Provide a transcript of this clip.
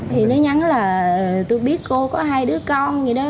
thì nó nhắn là tôi biết cô có hai đứa con vậy đó